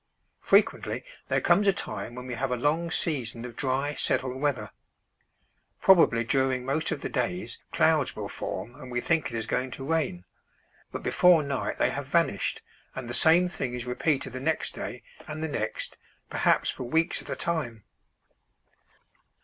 Frequently there comes a time when we have a long season of dry, settled weather. Probably during most of the days clouds will form and we think it is going to rain, but before night they have vanished, and the same thing is repeated the next day and the next, perhaps for weeks at a time.